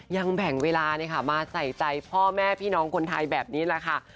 ยังแบ่งเวลามาใส่ใจพ่อแม่พี่น้องคนไทยแบบนี้แหละค่ะ